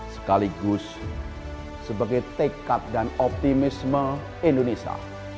sekaligus sebagai tekad dan optimisme indonesia